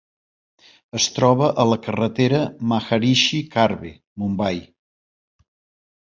Es troba a la carretera Maharishi Karve, Mumbai.